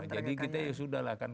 jadi kita ya sudah lah